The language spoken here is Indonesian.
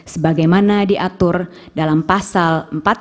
sebagaimana diatur dalam pasal